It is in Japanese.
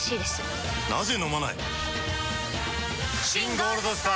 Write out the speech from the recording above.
ゴールドスター」！